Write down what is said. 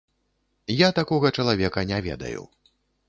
Я такога чалавека не ведаю.